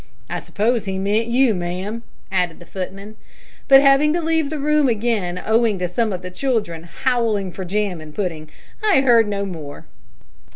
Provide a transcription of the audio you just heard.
I suppose he meant you, ma'am," added the footman, "but having to leave the room again owing to some of the children howling for jam and pudding, I heard no more."